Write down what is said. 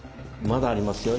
まだありますよ